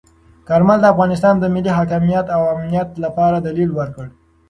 کارمل د افغانستان د ملي حاکمیت او امنیت لپاره دلیل ورکړ.